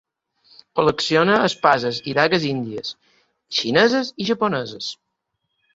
Col·lecciona espases i dagues índies, xineses i japoneses.